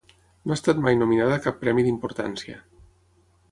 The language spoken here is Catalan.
No ha estat mai nominada a cap premi d'importància.